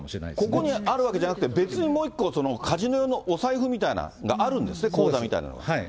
ここにあるわけじゃなくて、別にもう一個、カジノ用のお財布みたいなのがあるんですね、口座みたいなのが。